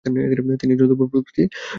তিনি একজন দূর্বল প্রকৃতির ছাত্র ছিলেন।